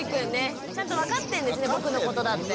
僕のことだって。